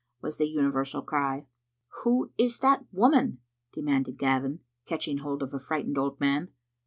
was the universal cry. "Who is that woman?'* demanded Gavin, catching hold of a frightened old man.